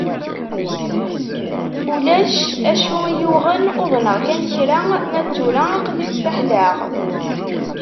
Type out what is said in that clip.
Uac acu iyi-yuɣen, uḍneɣ kan kra, ma d tura aql-i staḥlaɣ.